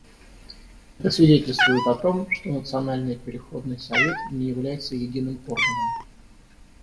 Это свидетельствует о том, что Национальный переходный совет не является единым органом.